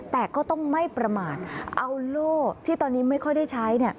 แต่ก็ต้องไม่ประมาทเอาโล่ที่ตอนนี้ไม่ค่อยได้ใช้